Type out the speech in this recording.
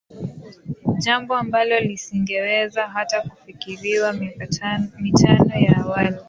jambo ambalo lisingeweza hata kufikiriwa miaka mitano ya awali